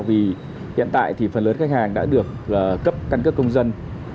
vì hiện tại thì phần lớn khách hàng đã được cấp căn cước công dân